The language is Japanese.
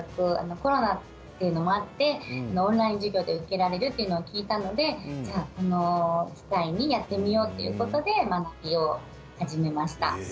コロナということもあってオンライン授業で受けられるということを聞いたのでこの機会にやってみようということで勉強を始めました。